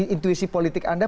intuisi politik anda